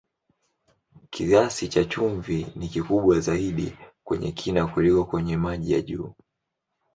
Kiasi cha chumvi ni kikubwa zaidi kwenye kina kuliko kwenye maji ya juu.